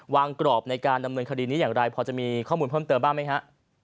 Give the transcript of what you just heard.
กรอบในการดำเนินคดีนี้อย่างไรพอจะมีข้อมูลเพิ่มเติมบ้างไหมฮะ